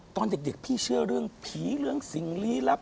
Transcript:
ตอนเด็กพี่เชื่อเรื่องผีเรื่องสิ่งลี้ลับ